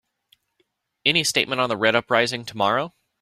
Any statement on the Red uprising tomorrow?